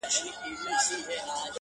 د پلټني سندرماره شـاپـيـرۍ يــارانــو-